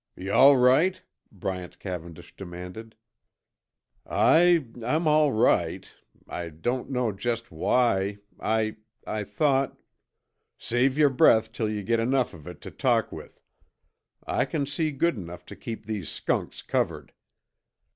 "Yuh all right?" Bryant Cavendish demanded. "I I'm all right. I don't know just why I I thought " "Save yer breath till yuh got enough of it tuh talk with. I c'n see good enough tuh keep these skunks covered.